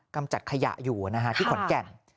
กำจัดขยะอยู่นะครับที่ขอนแก่น